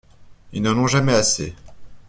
Ils n’en ont jamais assez.